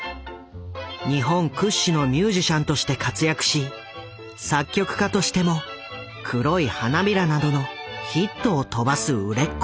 日本屈指のミュージシャンとして活躍し作曲家としても「黒い花びら」などのヒットを飛ばす売れっ子だ。